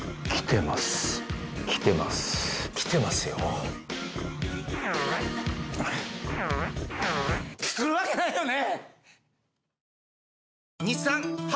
来るわけないよね！